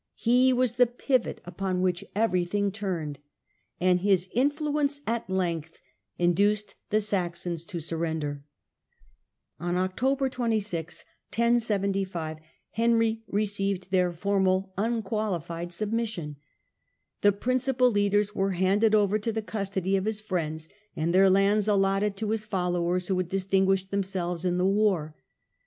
He was the pivot upon which everything turned, and his influence at length induced the Saxons to surrender. On October 26, 1075, Henry received their formal unqualified submission. The prin cipal leaders were handed over to the custody of his friends, and their lands allotted to his followers who had distinguished themselves in the war.